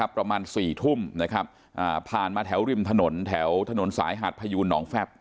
ประมาณ๔ทุ่มนะครับผ่านมาแถวริมถนนแถวถนนสายหาดพยูนหนองแฟบ